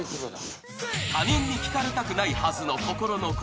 ［他人に聞かれたくないはずの心の声］